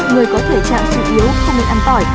người có thể trạng chủ yếu không nên ăn tỏi